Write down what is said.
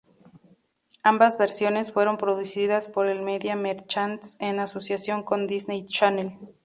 Ambas versiones fueron producidas por The Media Merchants en asociación con Disney Channel.